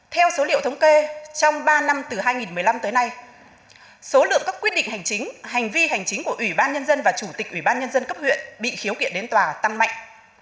theo số liệu thống kê trong ba năm từ hai nghìn một mươi năm tới nay số lượng các quyết định hành chính hành vi hành chính của ủy ban nhân dân và chủ tịch ủy ban nhân dân cấp huyện bị khiếu kiện đến tòa tăng mạnh